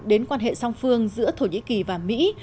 đến quan hệ song phương giữa thổ nhĩ kỳ và mỹ